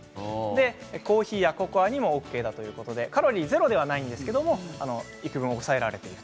コーヒーやココアにもＯＫだということでカロリーはゼロではないんですけどいくぶん抑えられていると。